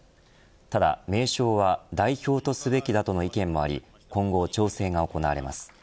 ただ名称は代表とすべきだとの意見もあり今後、調整が行われます。